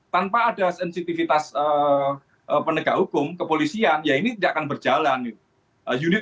tanpa ada sensitivitas penegak hukum kepolisian ya ini tidak akan berjalan